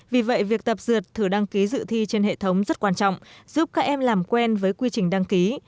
vì vậy việc tập dượt thử đăng ký dự thi trên hệ thống rất quan trọng giúp các em làm quen với quy trình đăng ký